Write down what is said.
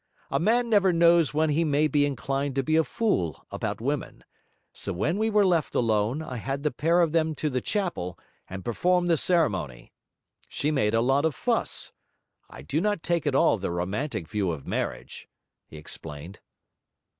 A man never knows when he may be inclined to be a fool about women; so when we were left alone, I had the pair of them to the chapel and performed the ceremony. She made a lot of fuss. I do not take at all the romantic view of marriage,' he explained.